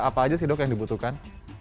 apa aja sih dok yang dibutuhkan